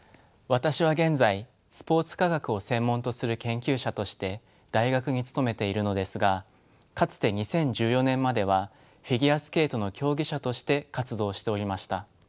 私は現在スポーツ科学を専門とする研究者として大学に勤めているのですがかつて２０１４年まではフィギュアスケートの競技者として活動しておりました。